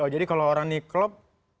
jadi kalau orang ini klop